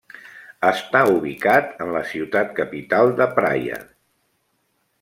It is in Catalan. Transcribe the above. Està ubicat en la ciutat capital de Praia.